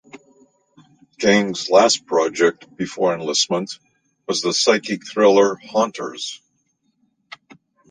Gang's last project before enlistment was the psychic thriller "Haunters".